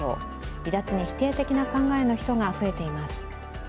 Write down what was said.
離脱に否定的な考えの人が増えています。